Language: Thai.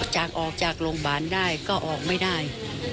จากออกจากโรงพยาบาลได้ก็ออกไม่ได้